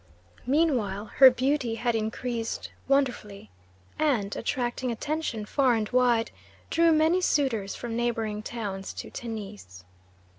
Meanwhile her beauty had increased wonderfully, and, attracting attention far and wide, drew many suitors from neighbouring towns to Tennis.